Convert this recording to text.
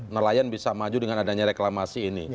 nelayan bisa maju dengan adanya reklamasi ini